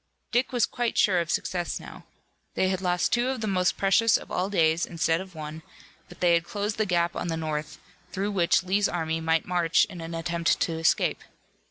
Dick was quite sure of success now. They had lost two of the most precious of all days instead of one, but they had closed the gap on the north, through which Lee's army might march in an attempt to escape.